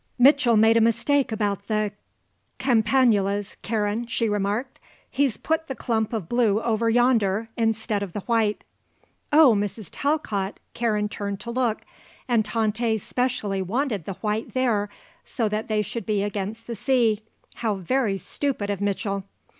"Mitchell made a mistake about the campanulas, Karen," she remarked. "He's put the clump of blue over yonder, instead of the white." "Oh, Mrs. Talcott!" Karen turned to look. "And Tante specially wanted the white there so that they should be against the sea. How very stupid of Mitchell."